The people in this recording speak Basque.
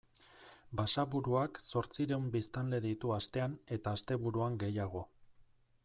Basaburuak zortziehun biztanle ditu astean eta asteburuan gehiago.